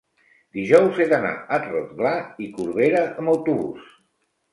Dijous he d'anar a Rotglà i Corberà amb autobús.